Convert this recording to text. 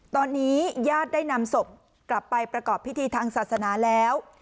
ตอนนี้ญาติได้นำศพกลับไปประกอบพิธีทางศาสนาแล้ว